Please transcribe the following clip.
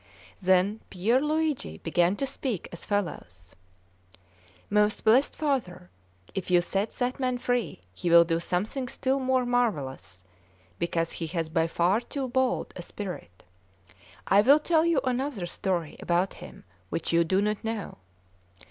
Then Pier Luigi began to speak as follows: "Most blessed Father, if you set that man free, he will do something still more marvellous, because he has by far too bold a spirit. I will tell you another story about him which you do not know.